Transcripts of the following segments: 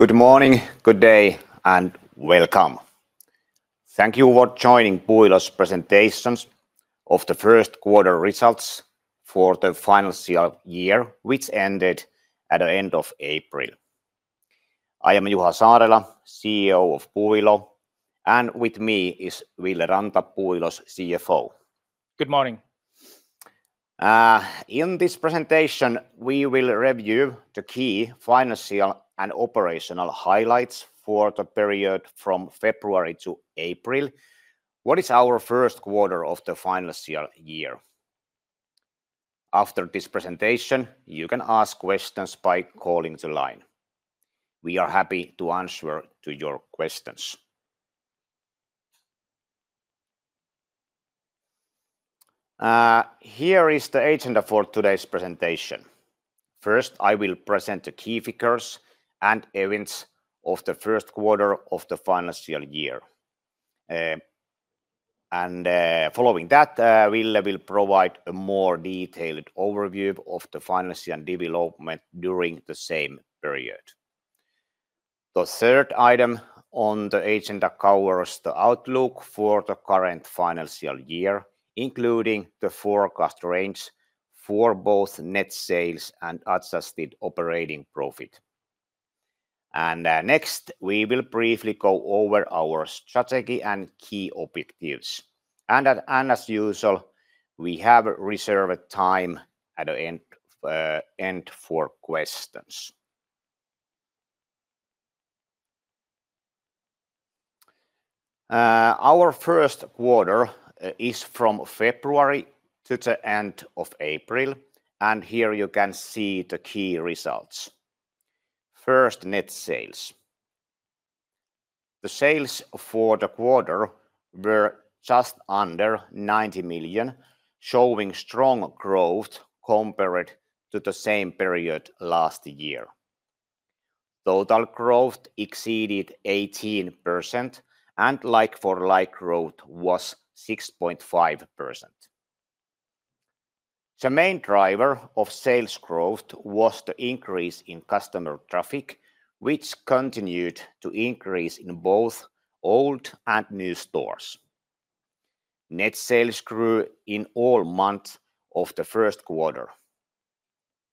Good morning, good day, and welcome. Thank you for joining Puuilo's presentations of the first quarter results for the financial year, which ended at the end of April. I am Juha Saarela, CEO of Puuilo, and with me is Ville Ranta, Puuilo's CFO. Good morning. In this presentation, we will review the key financial and operational highlights for the period from February to April. What is our first quarter of the financial year? After this presentation, you can ask questions by calling the line. We are happy to answer your questions. Here is the agenda for today's presentation. First, I will present the key figures and events of the first quarter of the financial year. Following that, Ville will provide a more detailed overview of the financial development during the same period. The third item on the agenda covers the outlook for the current financial year, including the forecast range for both net sales and adjusted operating profit. Next, we will briefly go over our strategy and key objectives. As usual, we have reserved time at the end for questions. Our first quarter is from February to the end of April, and here you can see the key results. First, net sales. The sales for the quarter were just under 90 million, showing strong growth compared to the same period last year. Total growth exceeded 18%, and like-for-like growth was 6.5%. The main driver of sales growth was the increase in customer traffic, which continued to increase in both old and new stores. Net sales grew in all months of the first quarter.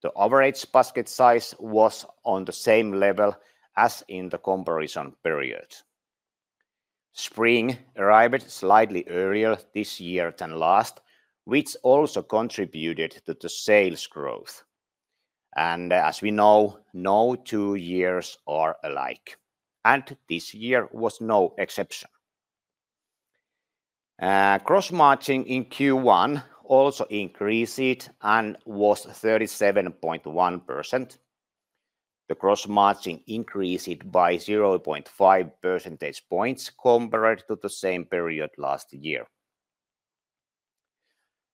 The average basket size was on the same level as in the comparison period. Spring arrived slightly earlier this year than last, which also contributed to the sales growth. As we know, no two years are alike, and this year was no exception. Cross-margin in Q1 also increased and was 37.1%. The cross-margin increased by 0.5 percentage points compared to the same period last year.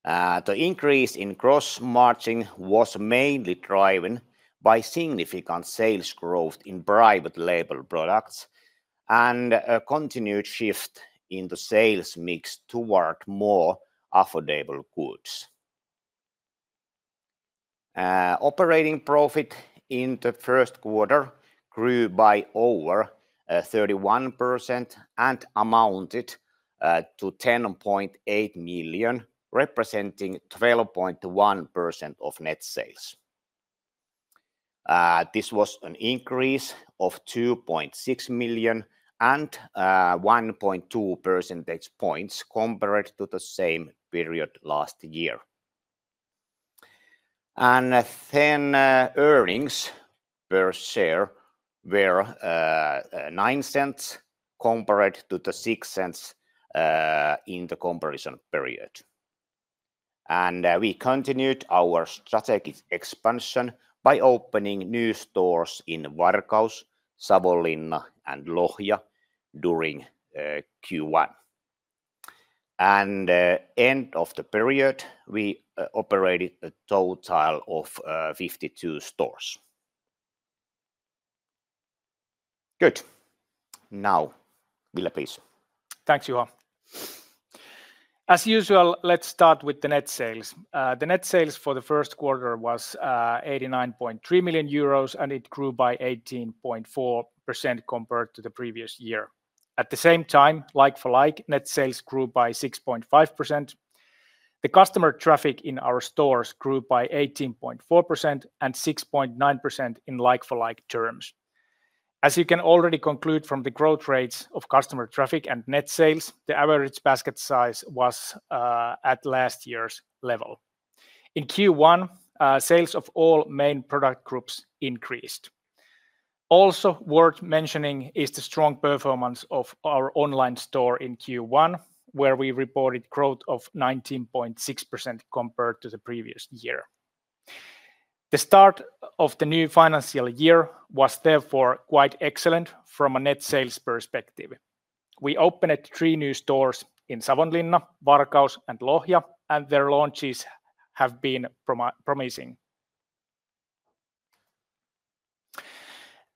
The increase in cross-margin was mainly driven by significant sales growth in private label products and a continued shift in the sales mix toward more affordable goods. Operating profit in the first quarter grew by over 31% and amounted to 10.8 million, representing 12.1% of net sales. This was an increase of 2.6 million and 1.2 percentage points compared to the same period last year. Earnings per share were 0.09 compared to the 0.06 in the comparison period. We continued our strategic expansion by opening new stores in Varkaus, Savonlinna, and Lohja during Q1. At the end of the period, we operated a total of 52 stores. Good. Now, Ville, please. Thanks, Juha. As usual, let's start with the net sales. The net sales for the first quarter was 89.3 million euros, and it grew by 18.4% compared to the previous year. At the same time, like-for-like, net sales grew by 6.5%. The customer traffic in our stores grew by 18.4% and 6.9% in like-for-like terms. As you can already conclude from the growth rates of customer traffic and net sales, the average basket size was at last year's level. In Q1, sales of all main product groups increased. Also worth mentioning is the strong performance of our online store in Q1, where we reported growth of 19.6% compared to the previous year. The start of the new financial year was therefore quite excellent from a net sales perspective. We opened three new stores in Savonlinna, Varkaus, and Lohja, and their launches have been promising.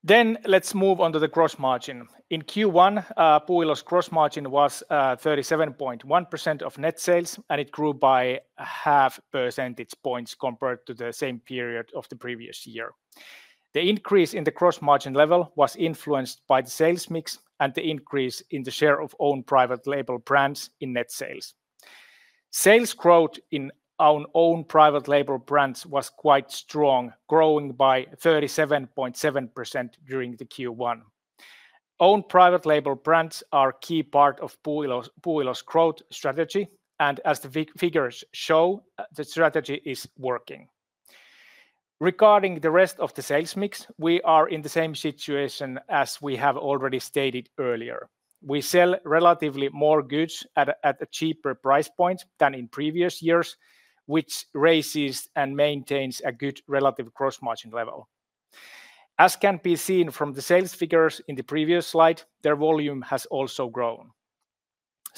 Let's move on to the cross-margin. In Q1, Puuilo's cross-margin was 37.1% of net sales, and it grew by half percentage points compared to the same period of the previous year. The increase in the cross-margin level was influenced by the sales mix and the increase in the share of own private label brands in net sales. Sales growth in own private label brands was quite strong, growing by 37.7% during Q1. Own private label brands are a key part of Puuilo's growth strategy, and as the figures show, the strategy is working. Regarding the rest of the sales mix, we are in the same situation as we have already stated earlier. We sell relatively more goods at a cheaper price point than in previous years, which raises and maintains a good relative cross-margin level. As can be seen from the sales figures in the previous slide, their volume has also grown.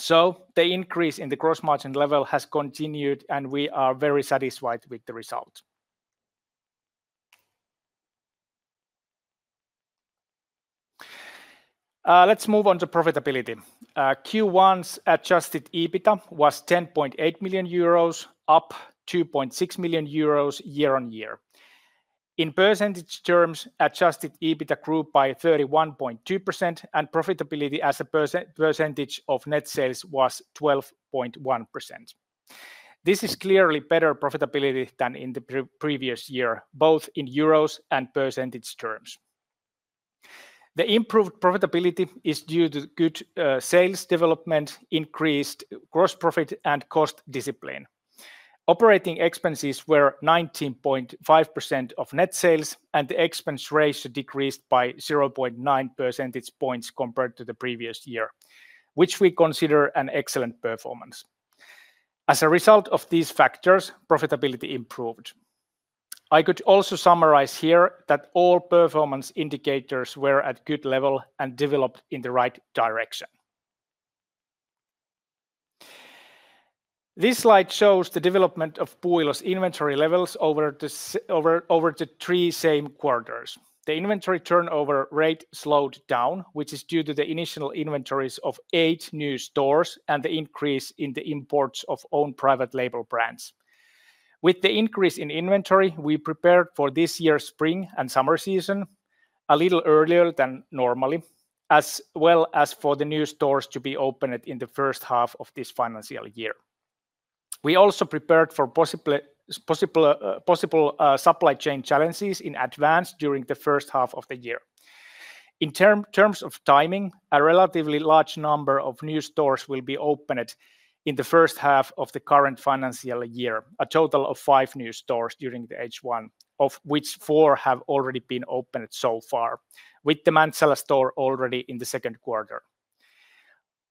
The increase in the cross-margin level has continued, and we are very satisfied with the result. Let's move on to profitability. Q1's adjusted EBITDA was 10.8 million euros, up 2.6 million euros year on year. In percentage terms, adjusted EBITDA grew by 31.2%, and profitability as a percentage of net sales was 12.1%. This is clearly better profitability than in the previous year, both in euros and percentage terms. The improved profitability is due to good sales development, increased gross profit, and cost discipline. Operating expenses were 19.5% of net sales, and the expense ratio decreased by 0.9 percentage points compared to the previous year, which we consider an excellent performance. As a result of these factors, profitability improved. I could also summarize here that all performance indicators were at good level and developed in the right direction. This slide shows the development of Puuilo's inventory levels over the three same quarters. The inventory turnover rate slowed down, which is due to the initial inventories of eight new stores and the increase in the imports of own private label brands. With the increase in inventory, we prepared for this year's spring and summer season a little earlier than normal, as well as for the new stores to be opened in the first half of this financial year. We also prepared for possible supply chain challenges in advance during the first half of the year. In terms of timing, a relatively large number of new stores will be opened in the first half of the current financial year, a total of five new stores during H1, of which four have already been opened so far, with the Mäntsälä store already in the second quarter.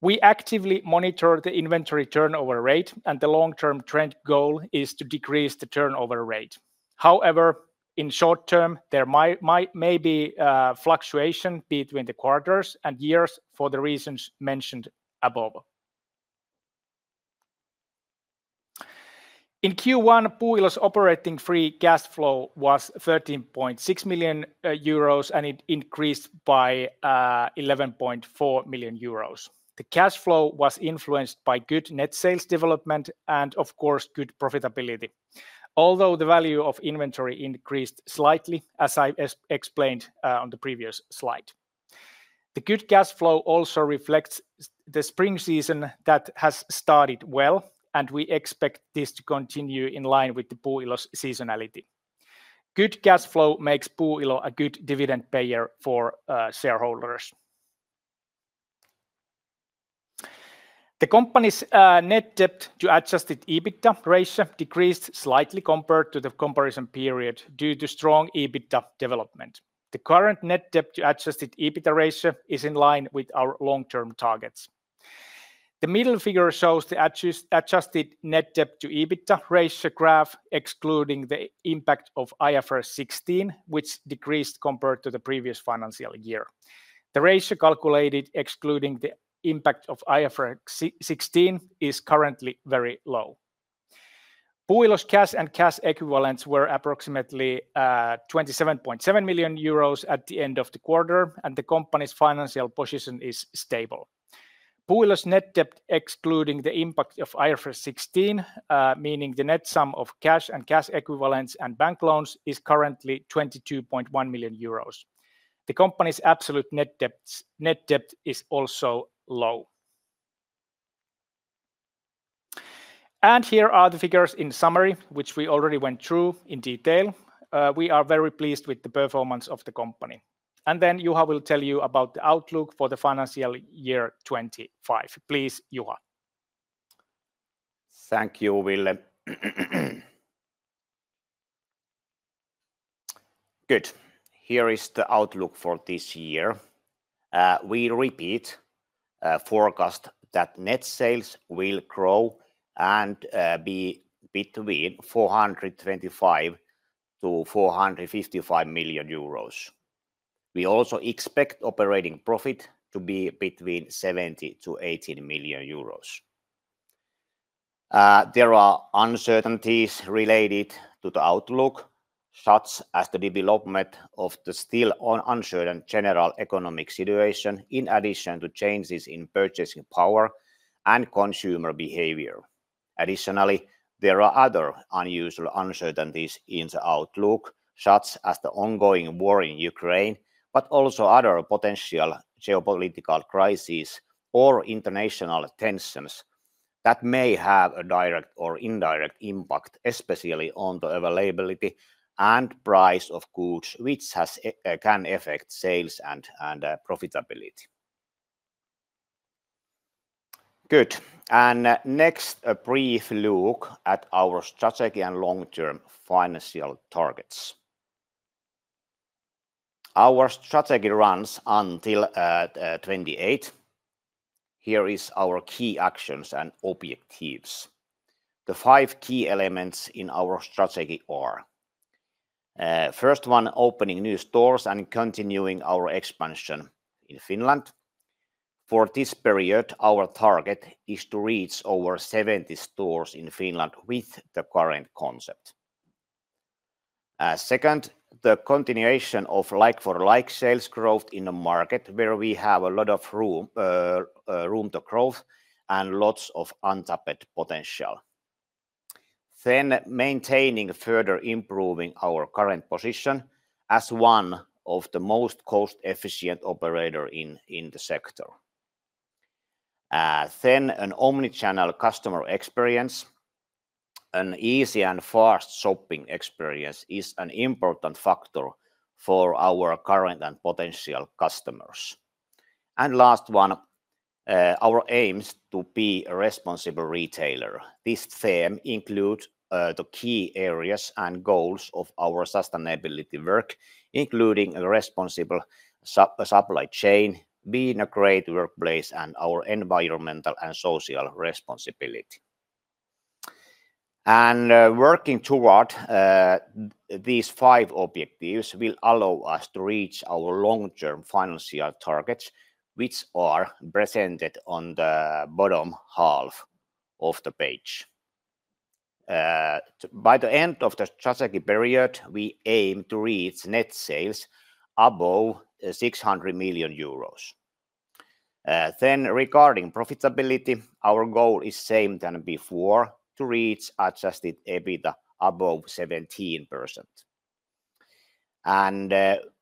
We actively monitor the inventory turnover rate, and the long-term trend goal is to decrease the turnover rate. However, in short term, there may be fluctuation between the quarters and years for the reasons mentioned above. In Q1, Puuilo's operating free cash flow was 13.6 million euros, and it increased by 11.4 million euros. The cash flow was influenced by good net sales development and, of course, good profitability, although the value of inventory increased slightly, as I explained on the previous slide. The good cash flow also reflects the spring season that has started well, and we expect this to continue in line with Puuilo's seasonality. Good cash flow makes Puuilo a good dividend payer for shareholders. The company's net debt to adjusted EBITDA ratio decreased slightly compared to the comparison period due to strong EBITDA development. The current net debt to adjusted EBITDA ratio is in line with our long-term targets. The middle figure shows the adjusted net debt to EBITDA ratio graph, excluding the impact of IFRS 16, which decreased compared to the previous financial year. The ratio calculated excluding the impact of IFRS 16 is currently very low. Puuilo's cash and cash equivalents were approximately 27.7 million euros at the end of the quarter, and the company's financial position is stable. Puuilo's net debt, excluding the impact of IFRS 16, meaning the net sum of cash and cash equivalents and bank loans, is currently 22.1 million euros. The company's absolute net debt is also low. Here are the figures in summary, which we already went through in detail. We are very pleased with the performance of the company. Juha will tell you about the outlook for the financial year 2025. Please, Juha. Thank you, Ville. Good. Here is the outlook for this year. We repeat forecast that net sales will grow and be between 425 million-455 million euros. We also expect operating profit to be between 70 million-80 million euros. There are uncertainties related to the outlook, such as the development of the still uncertain general economic situation, in addition to changes in purchasing power and consumer behavior. Additionally, there are other unusual uncertainties in the outlook, such as the ongoing war in Ukraine, but also other potential geopolitical crises or international tensions that may have a direct or indirect impact, especially on the availability and price of goods, which can affect sales and profitability. Good. Next, a brief look at our strategy and long-term financial targets. Our strategy runs until 2028. Here are our key actions and objectives. The five key elements in our strategy are: first one, opening new stores and continuing our expansion in Finland. For this period, our target is to reach over 70 stores in Finland with the current concept. Second, the continuation of like-for-like sales growth in the market, where we have a lot of room to grow and lots of untapped potential. Then, maintaining and further improving our current position as one of the most cost-efficient operators in the sector. Then, an omnichannel customer experience, an easy and fast shopping experience is an important factor for our current and potential customers. Last one, our aims to be a responsible retailer. This theme includes the key areas and goals of our sustainability work, including a responsible supply chain, being a great workplace, and our environmental and social responsibility. Working toward these five objectives will allow us to reach our long-term financial targets, which are presented on the bottom half of the page. By the end of the strategy period, we aim to reach net sales above EUR 600 million. Regarding profitability, our goal is the same as before: to reach adjusted EBITDA above 17%.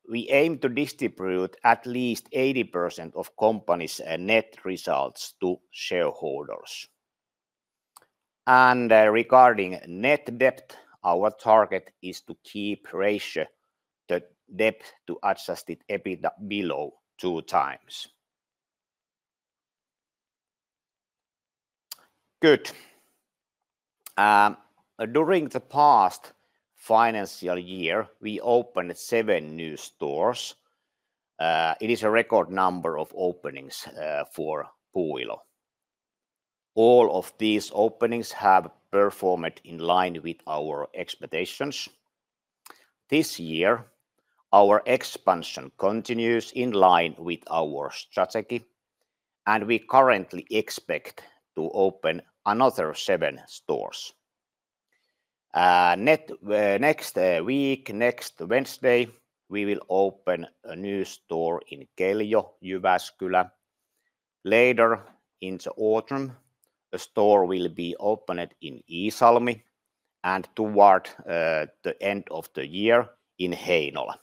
We aim to distribute at least 80% of the company's net results to shareholders. Regarding net debt, our target is to keep the ratio of debt to adjusted EBITDA below two times. Good. During the past financial year, we opened seven new stores. It is a record number of openings for Puuilo. All of these openings have performed in line with our expectations. This year, our expansion continues in line with our strategy, and we currently expect to open another seven stores. Next week, next Wednesday, we will open a new store in Keljo, Jyväskylä. Later, in the autumn, a store will be opened in Iisalmi and toward the end of the year in Heinola.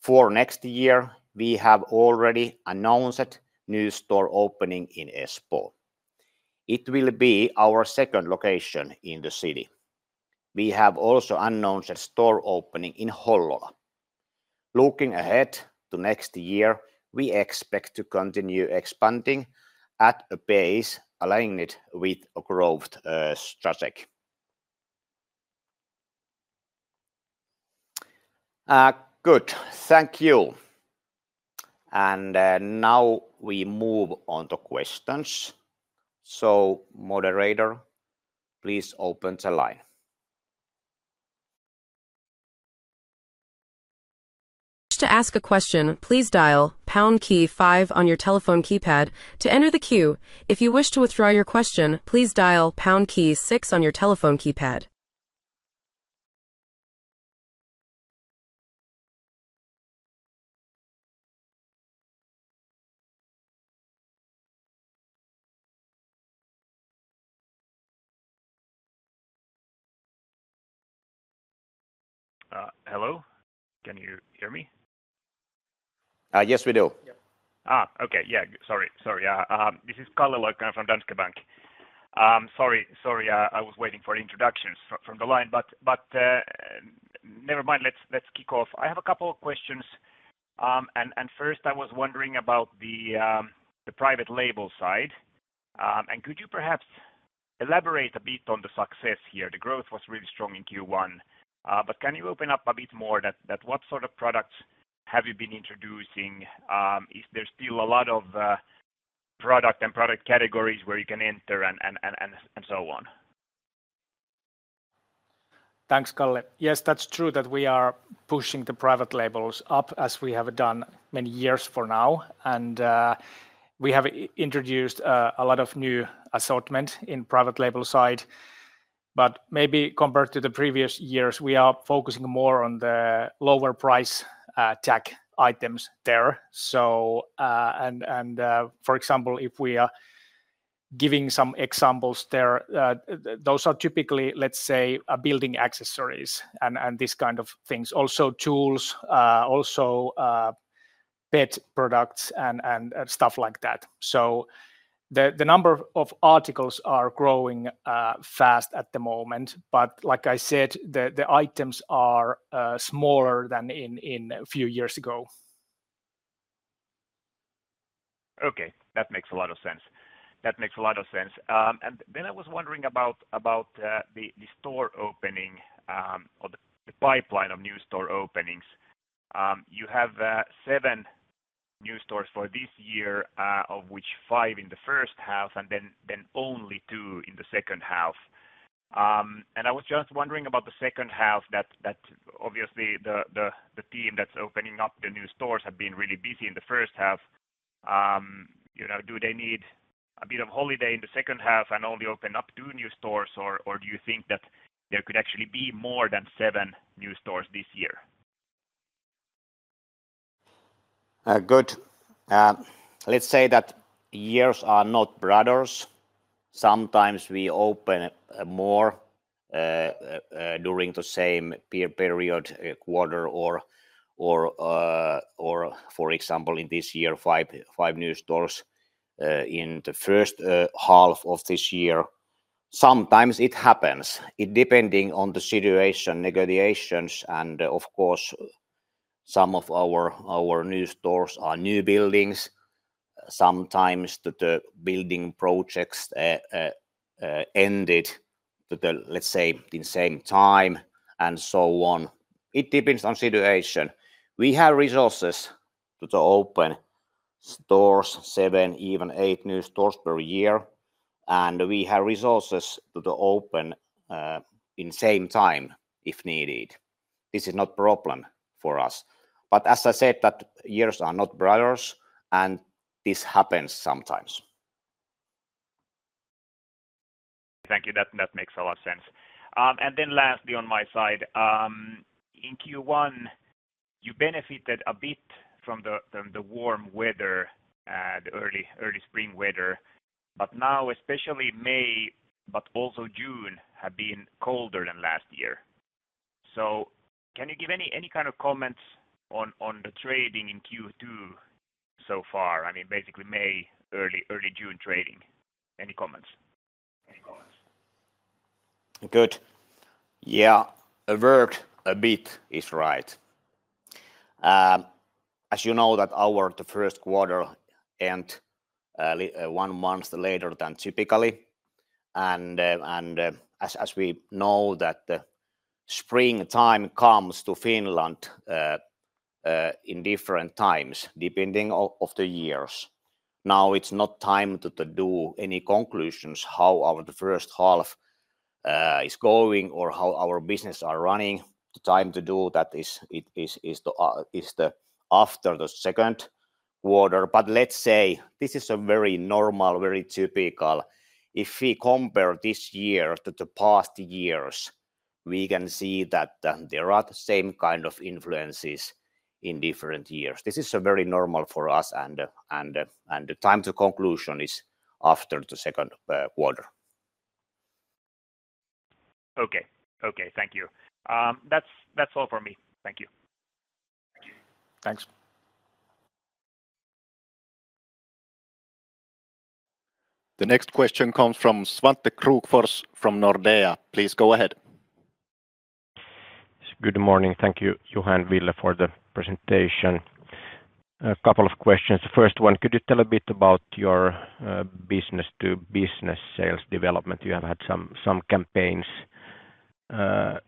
For next year, we have already announced a new store opening in Espoo. It will be our second location in the city. We have also announced a store opening in Hollola. Looking ahead to next year, we expect to continue expanding at a pace aligned with our growth strategy. Good. Thank you. Now we move on to questions. Moderator, please open the line. To ask a question, please dial pound key five on your telephone keypad to enter the queue. If you wish to withdraw your question, please dial pound key six on your telephone keypad. Hello? Can you hear me? Yes, we do. Okay. Yeah. Sorry. Sorry. This is Calle Loikkanen from Danske Bank. Sorry. Sorry. I was waiting for introductions from the line, but never mind. Let's kick off. I have a couple of questions. First, I was wondering about the private label side. Could you perhaps elaborate a bit on the success here? The growth was really strong in Q1, but can you open up a bit more? What sort of products have you been introducing? Is there still a lot of product and product categories where you can enter and so on? Thanks, Calle. Yes, that's true that we are pushing the private labels up as we have done many years for now. We have introduced a lot of new assortment in the private label side. Maybe compared to the previous years, we are focusing more on the lower-price tech items there. For example, if we are giving some examples there, those are typically, let's say, building accessories and these kinds of things. Also, tools, also pet products, and stuff like that. The number of articles are growing fast at the moment, but like I said, the items are smaller than a few years ago. Okay. That makes a lot of sense. That makes a lot of sense. I was wondering about the store opening or the pipeline of new store openings. You have seven new stores for this year, of which five in the first half and then only two in the second half. I was just wondering about the second half that obviously the team that's opening up the new stores have been really busy in the first half. Do they need a bit of holiday in the second half and only open up two new stores, or do you think that there could actually be more than seven new stores this year? Good. Let's say that years are not brothers. Sometimes we open more during the same period, quarter, or, for example, in this year, five new stores in the first half of this year. Sometimes it happens, depending on the situation, negotiations, and of course, some of our new stores are new buildings. Sometimes the building projects ended, let's say, in the same time and so on. It depends on the situation. We have resources to open stores, seven, even eight new stores per year, and we have resources to open in the same time if needed. This is not a problem for us. As I said, that years are not brothers, and this happens sometimes. Thank you. That makes a lot of sense. Lastly on my side, in Q1, you benefited a bit from the warm weather, the early spring weather, but now, especially May, but also June, have been colder than last year. Can you give any kind of comments on the trading in Q2 so far? I mean, basically May, early June trading. Any comments? Good. Yeah. Worked a bit, is right. As you know, our first quarter ended one month later than typically. As we know, springtime comes to Finland in different times depending on the years. Now, it's not time to do any conclusions how our first half is going or how our business is running. The time to do that is after the second quarter. Let's say this is very normal, very typical. If we compare this year to the past years, we can see that there are the same kinds of influences in different years. This is very normal for us, and the time to conclusion is after the second quarter. Okay. Okay. Thank you. That's all from me. Thank you. Thanks. The next question comes from Svante Krokfors from Nordea. Please go ahead. Good morning. Thank you, Juha and Ville, for the presentation. A couple of questions. The first one, could you tell a bit about your business-to-business sales development? You have had some campaigns, at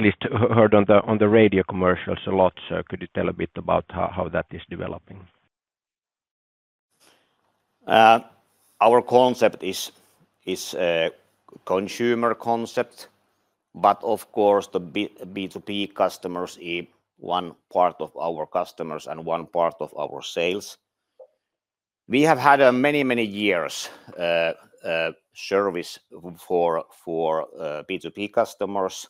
least heard on the radio commercials a lot. Could you tell a bit about how that is developing? Our concept is a consumer concept, but of course, the B2B customers are one part of our customers and one part of our sales. We have had many years of service for B2B customers.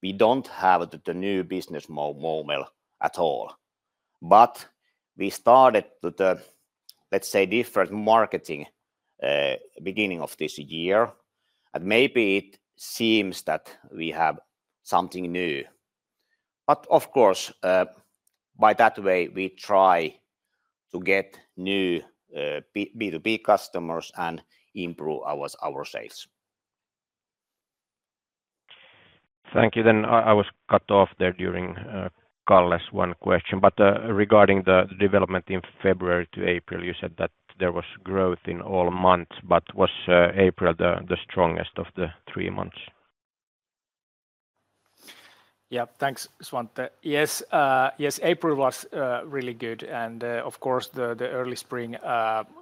We do not have the new business model at all. We started with, let's say, different marketing at the beginning of this year. It seems that we have something new. Of course, by that way, we try to get new B2B customers and improve our sales. Thank you. I was cut off there during Calle's one question. Regarding the development in February to April, you said that there was growth in all months, but was April the strongest of the three months? Yeah. Thanks, Svante. Yes. Yes, April was really good. Of course, the early spring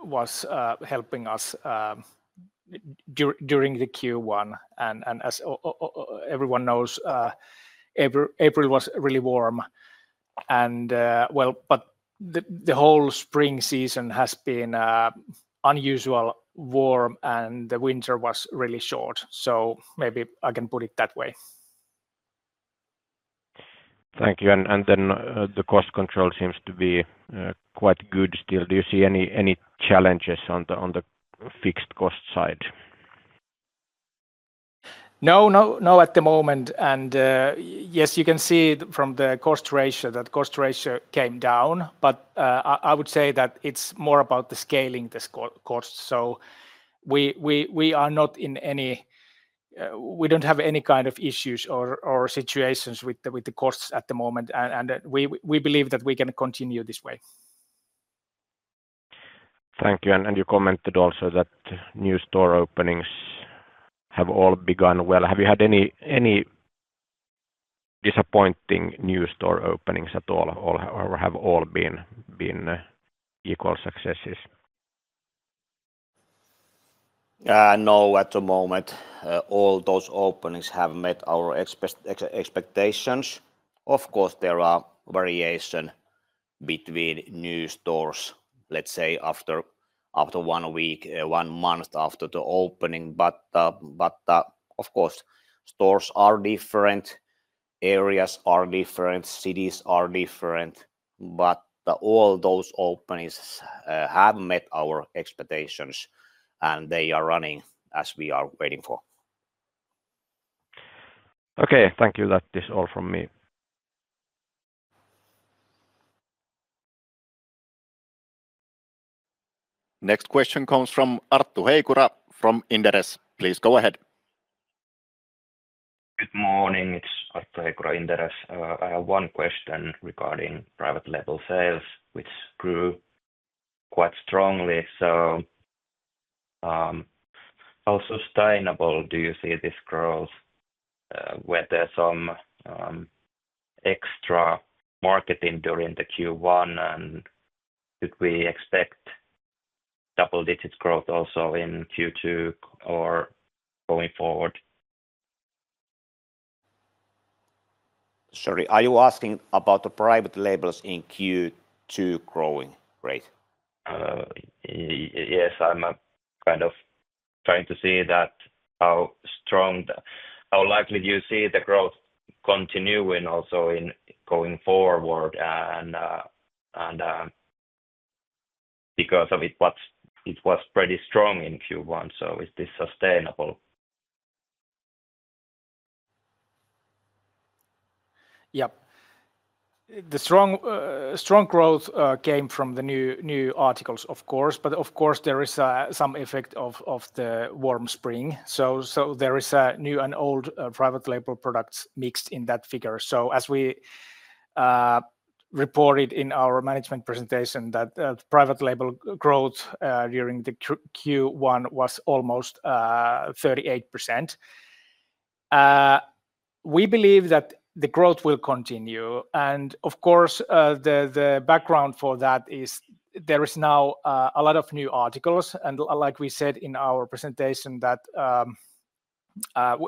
was helping us during Q1. As everyone knows, April was really warm. The whole spring season has been unusually warm, and the winter was really short. Maybe I can put it that way. Thank you. The cost control seems to be quite good still. Do you see any challenges on the fixed cost side? No, no, no at the moment. Yes, you can see from the cost ratio that the cost ratio came down. I would say that it is more about scaling the cost. We are not in any—we do not have any kind of issues or situations with the costs at the moment. We believe that we can continue this way. Thank you. You commented also that new store openings have all begun well. Have you had any disappointing new store openings at all, or have all been equal successes? No, at the moment, all those openings have met our expectations. Of course, there are variations between new stores, let's say, after one week, one month after the opening. Of course, stores are different, areas are different, cities are different. All those openings have met our expectations, and they are running as we are waiting for. Okay. Thank you. That is all from me. Next question comes from Arttu Heikura from Inderes. Please go ahead. Good morning. It's Arttu Heikura, Inderes. I have one question regarding private label sales, which grew quite strongly. How sustainable do you see this growth? Were there some extra marketing during Q1? Could we expect double-digit growth also in Q2 or going forward? Sorry. Are you asking about the private label products in Q2 growing rate? Yes. I'm kind of trying to see how strong—how likely do you see the growth continuing also going forward? Because it was pretty strong in Q1, is this sustainable? Yeah. The strong growth came from the new articles, of course. Of course, there is some effect of the warm spring. There are new and old private label products mixed in that figure. As we reported in our management presentation, private label growth during Q1 was almost 38%. We believe that the growth will continue. The background for that is there are now a lot of new articles. Like we said in our presentation,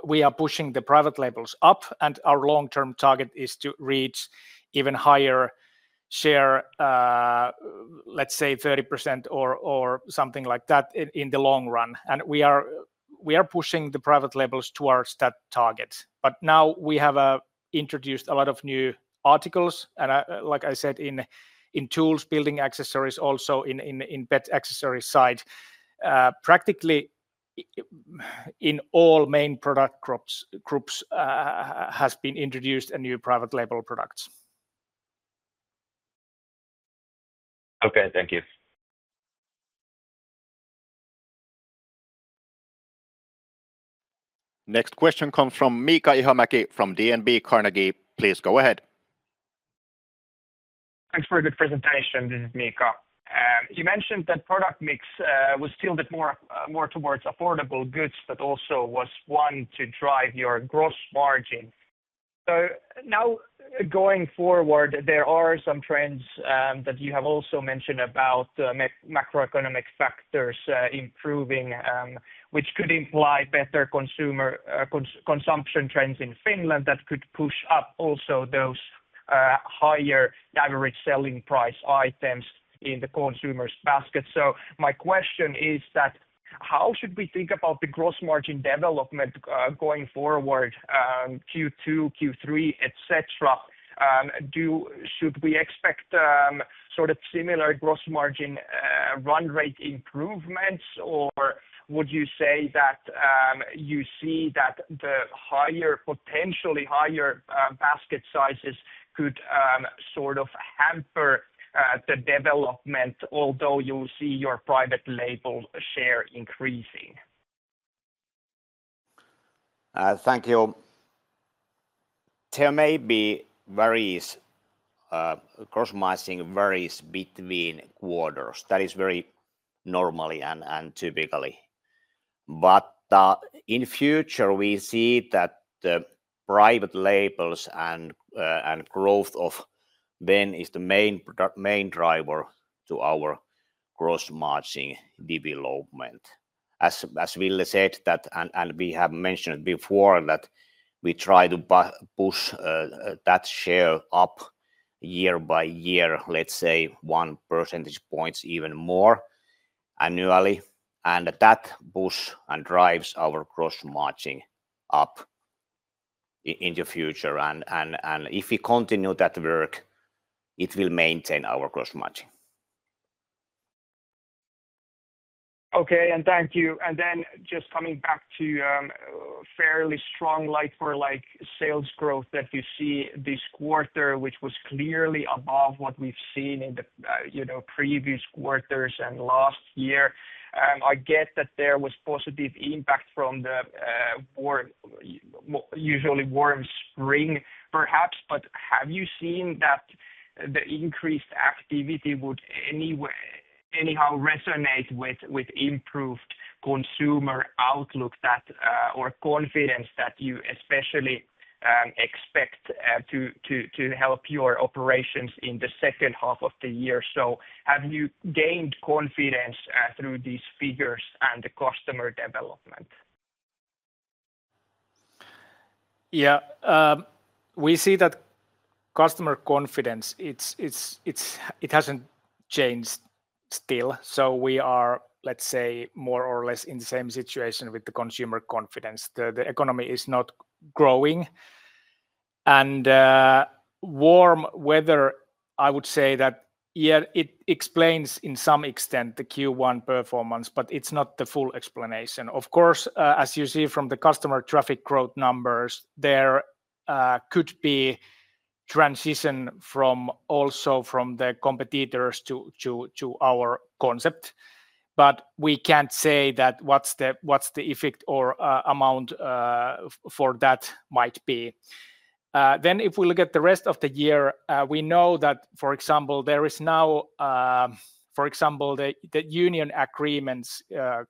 we are pushing the private labels up, and our long-term target is to reach even higher share, let's say 30% or something like that in the long run. We are pushing the private labels towards that target. Now we have introduced a lot of new articles. Like I said, in tools, building accessories, also in pet accessories side, practically in all main product groups has been introduced a new private label products. Okay. Thank you. Next question comes from Mika Ihamäki from DNB Carnegie. Please go ahead. Thanks for a good presentation. This is Mika. You mentioned that product mix was still a bit more towards affordable goods, but also was one to drive your gross margin. Now going forward, there are some trends that you have also mentioned about macroeconomic factors improving, which could imply better consumption trends in Finland that could push up also those higher average selling price items in the consumer's basket. My question is that how should we think about the gross margin development going forward, Q2, Q3, etc.? Should we expect sort of similar gross margin run rate improvements, or would you say that you see that the potentially higher basket sizes could sort of hamper the development, although you see your private label share increasing? Thank you. There may be various customizing varies between quarters. That is very normal and typical. In the future, we see that the private labels and growth of them is the main driver to our gross margin development. As Ville said, and we have mentioned before, we try to push that share up year by year, let's say one percentage point, even more annually. That push drives our gross margin up in the future. If we continue that work, it will maintain our gross margin. Okay. Thank you. Just coming back to fairly strong like-for-like sales growth that you see this quarter, which was clearly above what we've seen in the previous quarters and last year. I get that there was positive impact from the unusually warm spring, perhaps. Have you seen that the increased activity would anyhow resonate with improved consumer outlook or confidence that you especially expect to help your operations in the second half of the year? Have you gained confidence through these figures and the customer development? Yeah. We see that customer confidence, it hasn't changed still. We are, let's say, more or less in the same situation with the consumer confidence. The economy is not growing. Warm weather, I would say that, yeah, it explains in some extent the Q1 performance, but it's not the full explanation. Of course, as you see from the customer traffic growth numbers, there could be transition also from the competitors to our concept. We can't say what the effect or amount for that might be. If we look at the rest of the year, we know that, for example, there is now, for example, the union agreements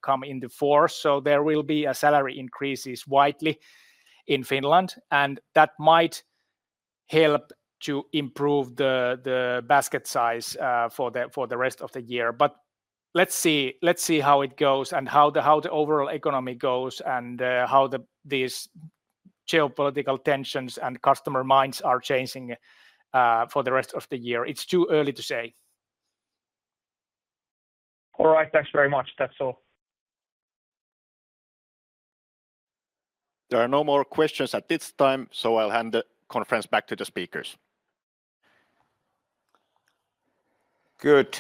come into force. There will be salary increases widely in Finland. That might help to improve the basket size for the rest of the year. Let's see how it goes and how the overall economy goes and how these geopolitical tensions and customer minds are changing for the rest of the year. It's too early to say. All right. Thanks very much. That's all. There are no more questions at this time, so I'll hand the conference back to the speakers. Good.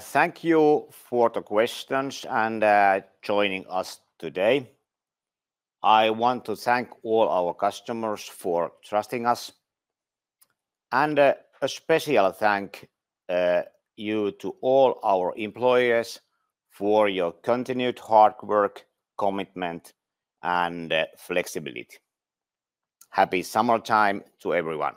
Thank you for the questions and joining us today. I want to thank all our customers for trusting us. A special thank you to all our employees for your continued hard work, commitment, and flexibility. Happy summertime to everyone.